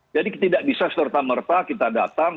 jadi tidak bisa serta merta kita datang